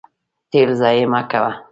تیل ضایع مه کوه.